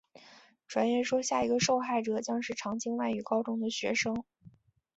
传言说下一个受害者将是常青外语高中的学生。